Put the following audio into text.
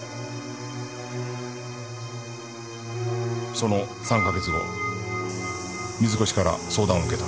その３カ月後水越から相談を受けた。